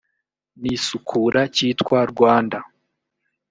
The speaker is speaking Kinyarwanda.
n isukura cyitwa rwanda